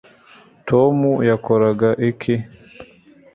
tom yakoraga iki